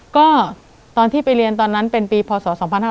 ก็ตอนที่ไปเรียนตอนนั้นเป็นปีพศ๒๕๕๙